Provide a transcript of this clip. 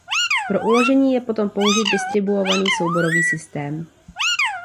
Pro uložení je potom použit distribuovaný souborový systém.